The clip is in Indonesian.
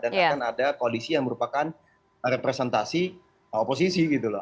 dan akan ada koalisi yang merupakan representasi oposisi gitu loh